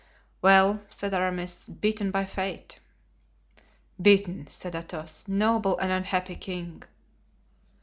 "Well," said Aramis, "beaten by fate!" "Beaten!" said Athos. "Noble and unhappy king!"